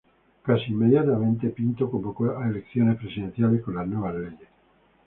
Casi inmediatamente, Pinto convocó a elecciones presidenciales con las nuevas leyes.